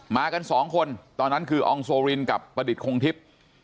มากัน๒คนตอนนั้นคือองโสรินกับประดิษฐ์โคงทิศ